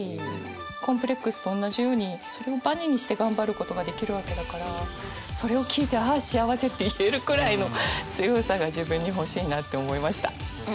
コンプレックスとおんなじようにそれをバネにして頑張ることができるわけだからそれを聞いて「ああ幸せ」って言えるくらいの強さが自分に欲しいなって思いました。